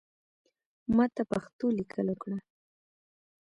ماته پښتو لیکل اوکړه